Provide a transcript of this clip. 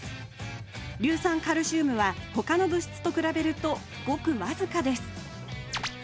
硫酸カルシウムはほかの物質と比べるとごく僅かです